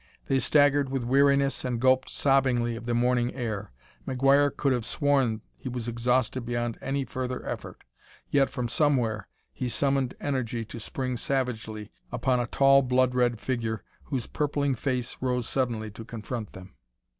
They staggered with weariness and gulped sobbingly of the morning air. McGuire could have sworn he was exhausted beyond any further effort, yet from somewhere he summoned energy to spring savagely upon a tall, blood red figure whose purpling face rose suddenly to confront them.